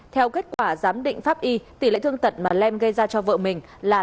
theo kết quả giám định pháp y tỷ lệ thương tật mà lem gây ra cho vợ mình là năm mươi ba